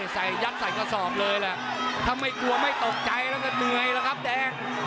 ยัดใส่กระสอบเลยแหละถ้าไม่กลัวไม่ตกใจแล้วก็เหนื่อยแล้วครับแดง